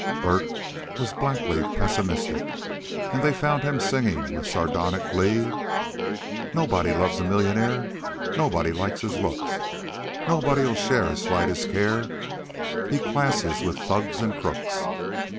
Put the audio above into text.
Bert was blackly pessimistic, and they found him singing with sardonic glee: "Nobody loves a mil yun aire. Nobody likes his looks. Nobody'll share his slightest care, He classes with thugs and crooks.